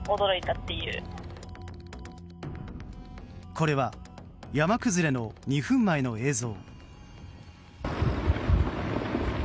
これは山崩れの２分前の映像。